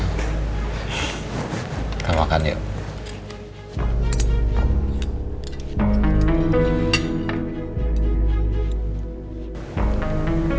kita makan yuk